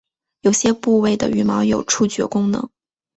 有些部位的羽毛有触觉功能。